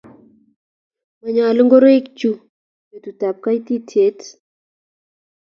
Manyalo ngoroik chu betut ab kaititiet